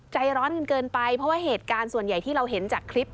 ใจร้อนกันเกินไปเพราะว่าเหตุการณ์ส่วนใหญ่ที่เราเห็นจากคลิป